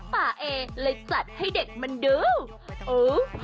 ป่าเอเลยจัดให้เด็กมันดูโอ้